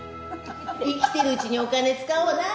生きてるうちにお金使おうな。